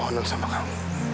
permohonan sama kamu